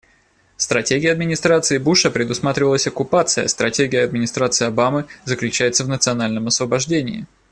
Стратегией администрации Буша предусматривалась оккупация; стратегия администрации Обамы заключается в национальном освобождении.